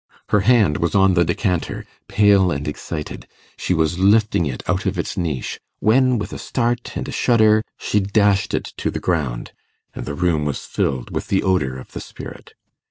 Her hand was on the decanter: pale and excited, she was lifting it out of its niche, when, with a start and a shudder, she dashed it to the ground, and the room was filled with the odour of the spirit.